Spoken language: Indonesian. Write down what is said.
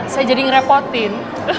saya jadi ngerepotin